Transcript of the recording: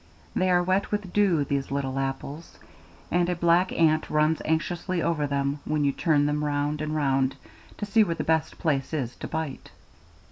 They are wet with dew, these little apples, and a black ant runs anxiously over them when you turn them round and round to see where the best place is to bite.